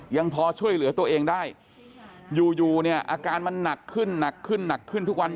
ยังพอช่วยเหลือตัวเองได้อยู่อยู่เนี่ยอาการมันหนักขึ้นหนักขึ้นหนักขึ้นทุกวัน